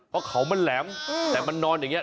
เพราะเขามันแหลมแต่มันนอนอย่างนี้